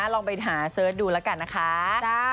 ลองไปหาเสื้อดูแล้วนะคะ